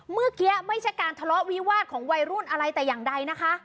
เมื่อกี้ไม่ใช่การทะเลาะวิวาสของวัยรุ่นอะไรแต่อย่างใดนะคะ